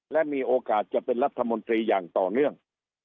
และมีโอกาสจะเป็นรัฐมนตรีอย่างต่อเนื่อง